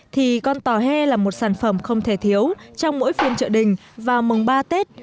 thì con tòa hè là một sản phẩm không thể thiếu trong mỗi phiên chợ đình vào mùng ba tết